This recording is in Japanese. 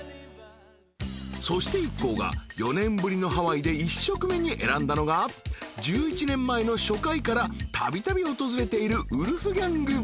［そして一行が４年ぶりのハワイで１食目に選んだのが１１年前の初回からたびたび訪れているウルフギャング］